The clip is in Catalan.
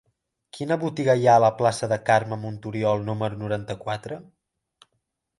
Quina botiga hi ha a la plaça de Carme Montoriol número noranta-quatre?